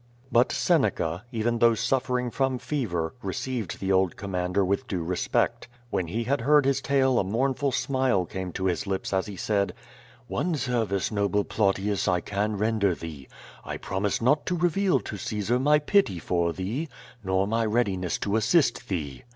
But Seneca, even though suffering from fever, received the old commander with due respect. When he had heard his tale a mournful smile came to his lips as he said: "One service, noble Plautius, I can render thee: I promise not to reveal to Caesar my ])ity for thee, nor my readiness to assist thee.